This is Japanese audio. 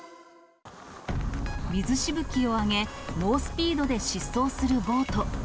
水しぶきをあげ、猛スピードで疾走するボート。